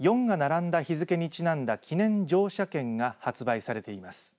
４が並んだ日付けにちなんだ記念乗車券が発売されています。